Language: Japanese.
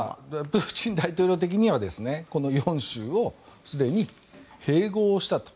プーチン大統領的にはこの４州をすでに併合したと。